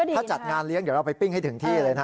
ถ้าจัดงานเลี้ยงเดี๋ยวเราไปปิ้งให้ถึงที่เลยนะ